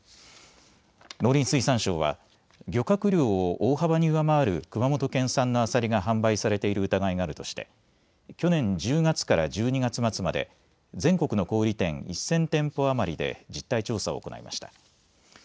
農林水産省は漁獲量を大幅に上回る熊本県産のアサリが販売されている疑いがあるとして去年１０月から１２月末まで全国の小売店１０００店舗余りで実態調査を行いました。